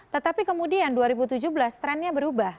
tetapi kemudian dua ribu tujuh belas trendnya berubah